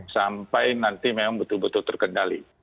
sampai nanti memang betul betul terkendali